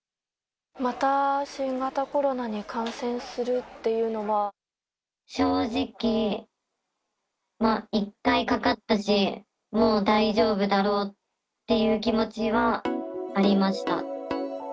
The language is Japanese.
また新型コロナに感染するっ正直、まあ、１回かかったし、もう大丈夫だろうっていう気持ちはありました。